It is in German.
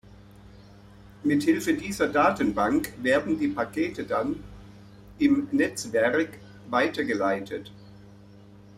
Mit Hilfe dieser Datenbank werden die Pakete dann im Netzwerk weitergeleitet.